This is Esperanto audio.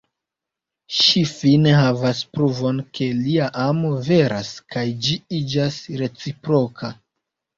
Ŝi fine havas pruvon ke lia amo veras, kaj ĝi iĝas reciproka.